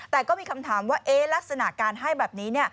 แต่ก็มีคำถามว่าลักษณะการให้แบบนี้